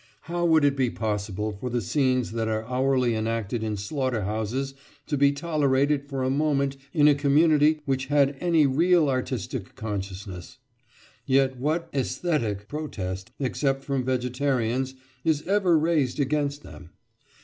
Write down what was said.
How would it be possible for the scenes that are hourly enacted in slaughter houses to be tolerated for a moment in a community which had any real artistic consciousness? Yet what "æsthetic" protest, except from vegetarians, is ever raised against them?